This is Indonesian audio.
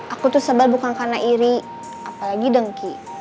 aku tuh sebar bukan karena iri apalagi dengki